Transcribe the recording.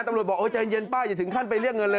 บอกโอ้ใจเย็นป้าอย่าถึงขั้นไปเรียกเงินเลย